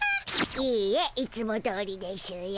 いいえいつもどおりでしゅよ。